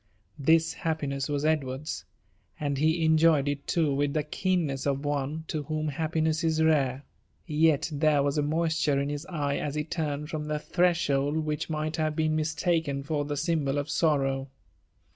This happkwsa was Edward's, and he enjoyed it too with ^ k^m^ 9^uk of one io whom happiooss i| rare ; yet there W9»ai moisture in his «yo 9» he turned from the threshold which might have heen aiistato for the symbol of sorrow.